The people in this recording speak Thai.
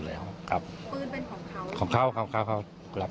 ไม่ตั้งใจครับ